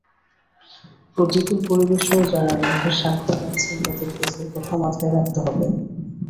প্রতিকূল পরিবেশেও যাঁরা মেধার স্বাক্ষর রাখছেন, তাঁদের দেশের কথা মাথায় রাখতে হবে।